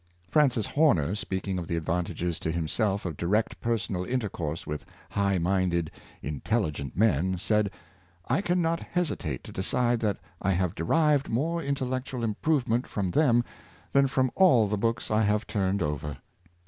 Francis Horner, speaking of the advantages to himself of direct personal inter course with high minded, intelligent men, said, " I can not hesitate to decide that I have derived more intel lectual improvement from them than from all the books I have turned over.'